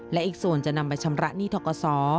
และอีกส่วนจะนำไปชำระหนี้ทกศ